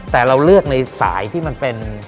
แต่เราเลือกในสายที่มันเป็น